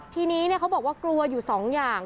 ทีนี้เขาบอกว่ากลัวอยู่สองอย่าง